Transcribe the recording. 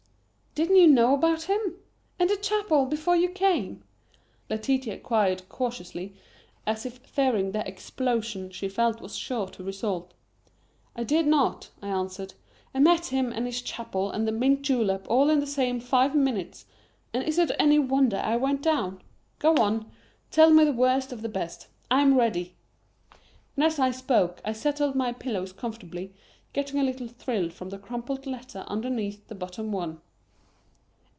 "Didn't you know about him and the chapel before you came?" Letitia queried cautiously, as if fearing the explosion she felt was sure to result. "I did not," I answered. "I met him and his chapel and the mint julep all in the same five minutes, and is it any wonder I went down? Go on. Tell me the worst or the best. I'm ready." And as I spoke I settled my pillows comfortably, getting a little thrill from the crumpled letter underneath the bottom one.